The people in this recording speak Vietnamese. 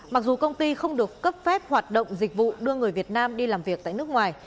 mặc dù công ty không được cấp phép hoạt động dịch vụ đưa người việt nam đi làm việc tại nước ngoài